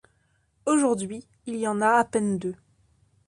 Aujourd'hui, il y en a à peine deux.